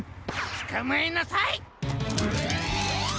つかまえなさい！